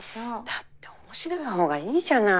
だって面白い方がいいじゃない。